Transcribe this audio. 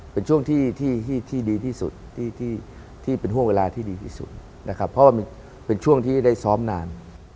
เป็นช่วงที่ดีที่สุดที่เป็นห่วงเวลาที่ดีที่สุดนะครับเพราะว่ามันเป็นช่วงที่ได้ซ้อมนาน